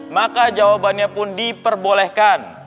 maka jawabannya pun diperbolehkan